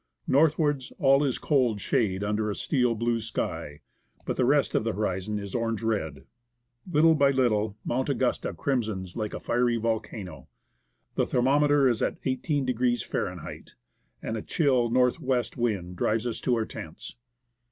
Northwards all is cold shade under a steel blue sky, but the rest of the horizon is orange red. Little by little Mount Augusta crimsons like a fiery volcano. The thermometer is at 18° Fahn, and a chill north west wind drives us to our tents.